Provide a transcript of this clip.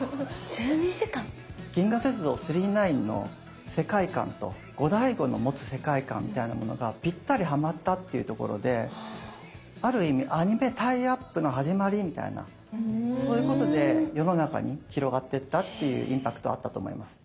１２時間⁉「銀河鉄道９９９」の世界観とゴダイゴの持つ世界観みたいなものがぴったりはまったっていうところである意味アニメタイアップの始まりみたいなそういうことで世の中に広がってったっていうインパクトあったと思います。